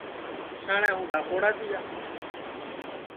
اُساٹؔے ہوں دھاپوڑا تیا